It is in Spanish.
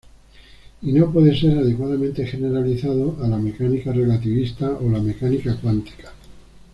Y no puede ser adecuadamente generalizado a la mecánica relativista o la mecánica cuántica.